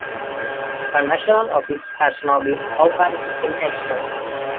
A national office has now been opened in Exeter.